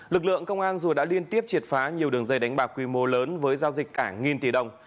lực lượng công an dù đã liên tiếp triệt phá nhiều đường dây đánh bạc quy mô lớn với giao dịch cả nghìn tỷ đồng